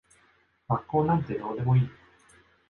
学校なんてどうでもいい。